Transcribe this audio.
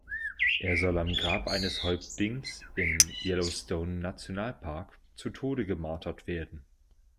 Er soll am Grab eines Häuptlings im Yellowstone-Nationalpark zu Tode gemartert werden.